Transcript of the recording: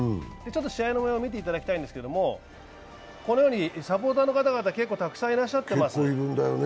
試合の模様を見ていただきたいんですが、サポーターの方々、結構たくさんいらっしゃってます。